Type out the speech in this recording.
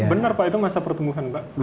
wah benar pak itu masa pertumbuhan mbak